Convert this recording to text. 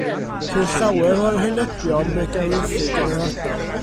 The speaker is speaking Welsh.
Ceir llawer o henebion megalithig yn yr ardal.